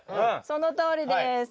そのとおりです。